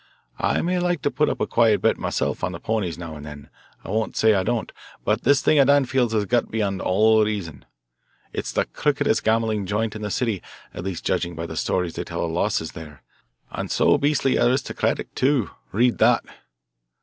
I may like to put up a quiet bet myself on the ponies now and then I won't say I don't, but this thing of Danfield's has got beyond all reason. It's the crookedest gambling joint in the city, at least judging by the stories they tell of losses there. And so beastly aristocratic, too. Read that."